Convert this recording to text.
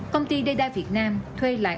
công ty didai việt nam thuê lại